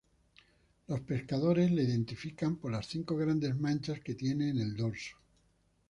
Los pescadores le identifican por las cinco grandes manchas que tiene en el dorso.